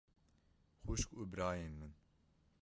Xwişk û birayên min!